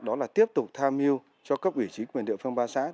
đó là tiếp tục tham mưu cho cấp ủy trí quyền địa phương bá sát